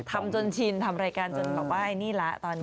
ทำจนชินทำรายการจนแบบว่าไอ้นี่ละตอนนี้